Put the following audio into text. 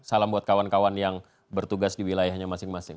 salam buat kawan kawan yang bertugas di wilayahnya masing masing